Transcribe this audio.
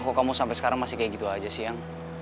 oh kamu sampai sekarang masih kayak gitu aja siang